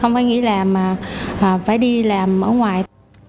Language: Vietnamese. không phải nghĩ làm mà phải đi làm ở ngoài